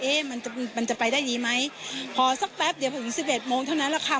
เอ๊ะมันจะไปได้ดีไหมพอสักแป๊บเดี๋ยวถึง๑๑โมงเท่านั้นแหละค่ะ